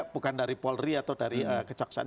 bukan dari polri atau dari kejaksaan